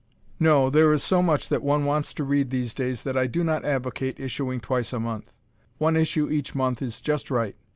No, there is so much that one wants to read these days that I do not advocate issuing twice a month. One issue each month is just right.